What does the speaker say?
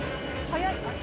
速い。